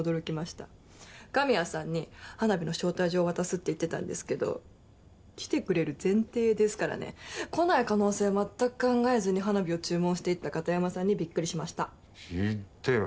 神谷さんに花火の招待状を渡すって言ってたんですけど来てくれる前提ですからね。来ない可能性を全く考えずに花火を注文していった片山さんにびっくりしました。